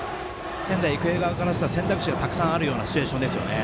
仙台育英側からしたら選択肢はたくさんあるようなシチュエーションですね。